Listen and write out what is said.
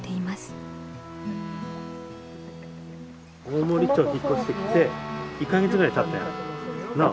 大森町引っ越してきて１か月ぐらいたったよ。なあ？